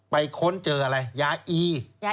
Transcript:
ค้นเจออะไรยาอี